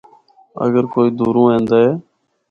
اگر کوئی دُوروں ایندا اے۔